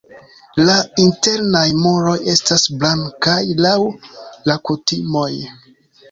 La internaj muroj estas blankaj laŭ la kutimoj.